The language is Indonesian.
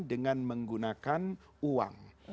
dengan menggunakan uang